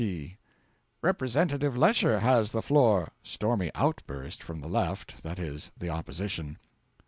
P. 'Representative Lecher has the floor.' (Stormy outburst from the Left that is, the Opposition.)